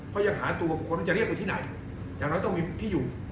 เพราะยังหาตัวผู้ควกที่จะเรียกไว้ที่ไหนอย่างน้อยต้องมีที่อยู่